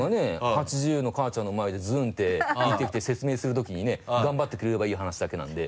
８０の母ちゃんの前で「ずん」って言ってきて説明するときにね頑張ってくれればいい話だけなんで。